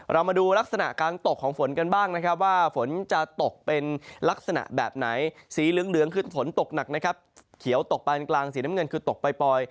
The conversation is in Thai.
เรามาดูลักษณะการตกของฝนกันบ้างนะครับว่าฝนจะตกเป็นลักษณะแบบไหนสีเหลืองคือฝนตกหนักนะครับเขียวตกปานกลางสีน้ำเงินคือตกปล่อย